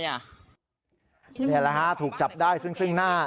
แหละล่ะฮะถูกจับได้ซึ่งหน้า